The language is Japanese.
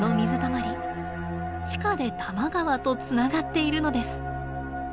実はこの水たまり地下で多摩川とつながっているのです。